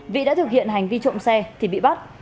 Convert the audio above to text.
vĩ đã thực hiện hành vi trộm xe thì bị bắt